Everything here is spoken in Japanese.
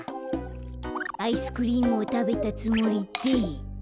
アイスクリームをたべたつもりで。